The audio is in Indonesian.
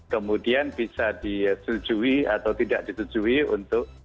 kemudian bisa disujui atau tidak disujui untuk